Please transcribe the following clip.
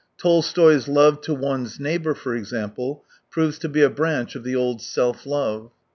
Tolstoy's " love to one's neighbour," for example, proves to be a branch of the old self love.